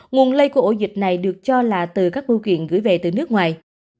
nguồn lây của ổ dịch này được cho là từ các bưu kiện gửi về từ nước ngoài